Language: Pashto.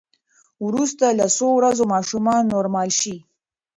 وروسته له څو ورځو ماشومان نورمال شي.